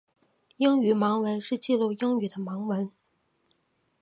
英语盲文是记录英语的盲文。